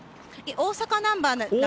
大阪ナンバー。